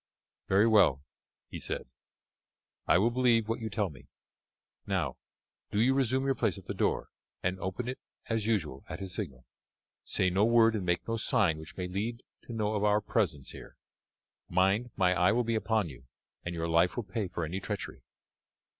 "Very well," he said, "I will believe what you tell me. Now, do you resume your place at the door, and open it as usual at his signal. Say no word and make no sign which may lead him to know of our presence here. Mind, my eye will be upon you, and your life will pay for any treachery."